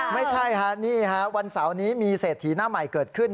ไม่ใช่ฮะนี่ฮะวันเสาร์นี้มีเศรษฐีหน้าใหม่เกิดขึ้น